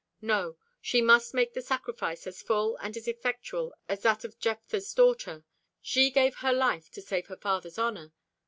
No; she must make the sacrifice as full and as effectual as that of Jephthah's daughter. She gave her life to save her father's honour.